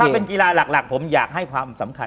ถ้าเป็นกีฬาหลักผมอยากให้ความสำคัญ